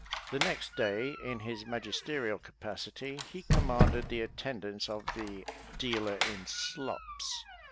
The next day, in his magisterial capacity, he commanded the attendance of "the dealer in slops."